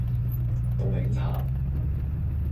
凍檸茶